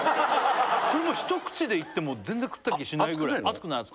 それも一口でいっても全然食った気しないぐらい熱くないの？